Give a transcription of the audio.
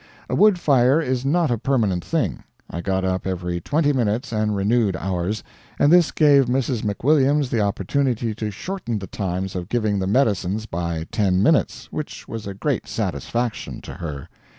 A wood fire is not a permanent thing. I got up every twenty minutes and renewed ours, and this gave Mrs. McWilliams the opportunity to shorten the times of giving the medicines by ten minutes, which was a great satisfaction to her.